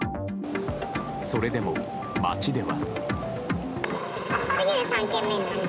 それでも街では。